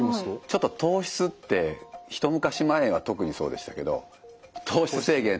ちょっと糖質ってひと昔前は特にそうでしたけど糖質制限糖質制限。